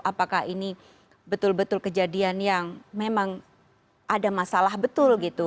apakah ini betul betul kejadian yang memang ada masalah betul gitu